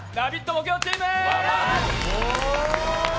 木曜チーム。